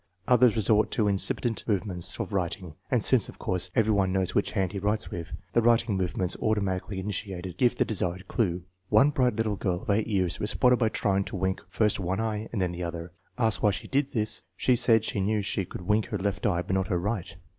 Others resort to incipient move ments of writing, and since, of course, every one knows which hand he writes with, the writing movements automatically initiated give the desired clue. One bright little girl of 8 years responded by trying to wink first one eye and then the other. Asked why she did this, she said she knew she could wink her left eye, but not her right!